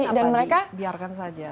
kemudian apa dibiarkan saja